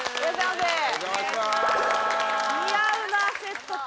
似合うなセットと。